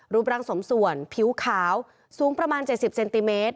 รูปร่างสมส่วนผิวขาวสูงประมาณ๗๐เซนติเมตร